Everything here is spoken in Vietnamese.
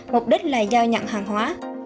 mục đích là giao nhận hàng hóa